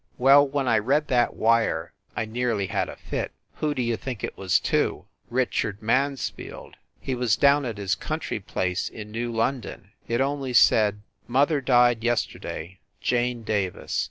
Well, when I read that wire, I nearly had a fit. Who d you think it was to? Richard Mansfield! He was down at his country place in New London. It only said : "Mother died yesterday. JANE DAVIS."